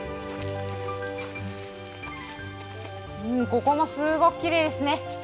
ここもすごくきれいですね。